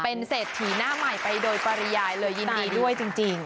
เป็นเศรษฐีหน้าใหม่ไปโดยปริยายเลยยินดีด้วยจริง